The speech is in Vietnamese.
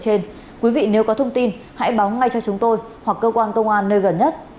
trên quý vị nếu có thông tin hãy báo ngay cho chúng tôi hoặc cơ quan công an nơi gần nhất